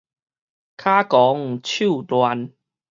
跤狂手亂